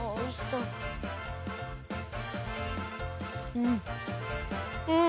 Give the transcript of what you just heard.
うん。